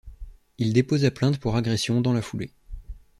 Il déposa plainte pour agression dans la foulée.